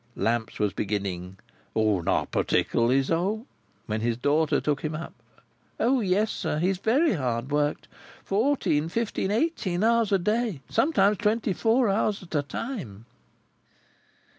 Lamps was beginning, "Not particular so"—when his daughter took him up. "O yes, sir, he is very hard worked. Fourteen, fifteen, eighteen, hours a day. Sometimes twenty four hours at a time."